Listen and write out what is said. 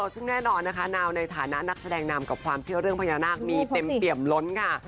ซึ่งแน่นอนนะคะนาวในฐานะนักแสดงนำกับความเชื่อเรื่องพญานาคมีเต็มเปี่ยมล้นค่ะ